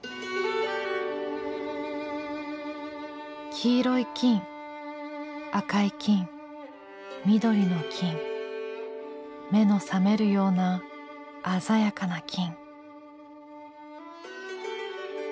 「黄色い金赤い金緑の金目の覚めるような鮮やかな金」。